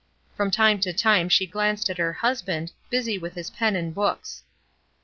From time to time she glanced at her husband, busy with his pen and his books.